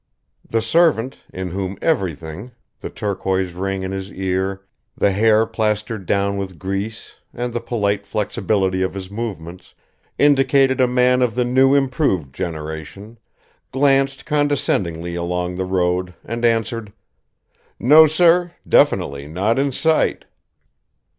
The servant, in whom everything the turquoise ring in his ear, the hair plastered down with grease and the polite flexibility of his movements indicated a man of the new improved generation, glanced condescendingly along the road and answered, "No, sir, definitely not in sight."